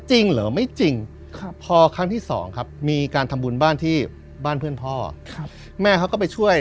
จริงเหรอไม่จริงพอครั้งที่สองครับมีการทำบุญบ้านที่บ้านเพื่อนพ่อแม่เขาก็ไปช่วย